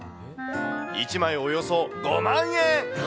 １枚およそ５万円！